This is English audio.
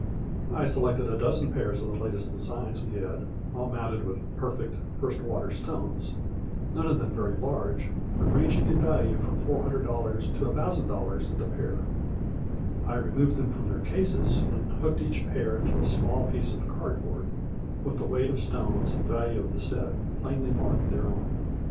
I selected a dozen pairs of the latest designs we had, all mounted with perfect, first water stones, none of them very large, but ranging in 10 A FLURRY IN DIAMONDS. value from $400 to $1000, the pair. I removed them from their cases and hooked each pair into a small piece of card board, with the weight of stones and value of the set plainly marked thereon.